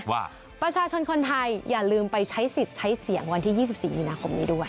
ว่าประชาชนคนไทยอย่าลืมไปใช้สิทธิ์ใช้เสียงวันที่๒๔มีนาคมนี้ด้วย